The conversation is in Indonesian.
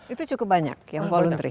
itu cukup banyak yang voluntary